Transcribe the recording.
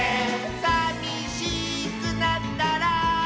「さみしくなったら」